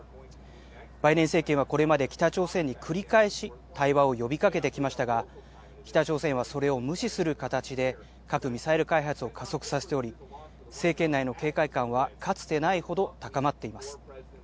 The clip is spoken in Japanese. バイデン政権はこれまで北朝鮮に繰り返し対話を呼びかけてきましたが、北朝鮮はそれを無視する形で、核・ミサイル開発を加速させており、政権内の警戒感はかつてないほど高まっています。